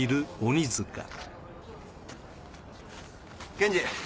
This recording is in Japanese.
検事。